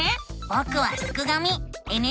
ぼくはすくがミ。